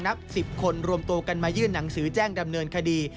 นับ๑๐คนรวมตัวกันมายื่นหนังสือแจ้งดำเนินคดี